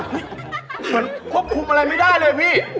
เหมือนควบคุมอะไรไม่ได้เลยพี่